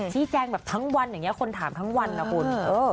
แจ้งแบบทั้งวันอย่างนี้คนถามทั้งวันนะคุณ